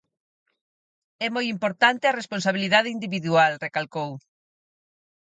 "É moi importante a responsabilidade individual", recalcou.